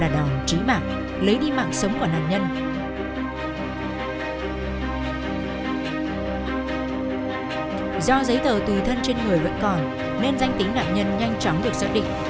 do giấy tờ tùy thân trên người vẫn còn nên danh tính nạn nhân nhanh chóng được xác định